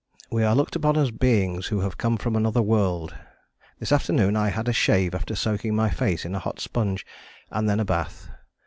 "We are looked upon as beings who have come from another world. This afternoon I had a shave after soaking my face in a hot sponge, and then a bath.